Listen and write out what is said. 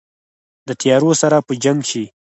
د تیارو سره په جنګ شي